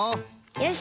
よし。